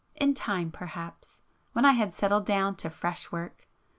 In time perhaps, ... when I had settled down to fresh work